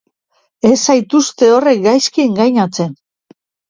Ez zaituzte horrek gaizki engainatzen!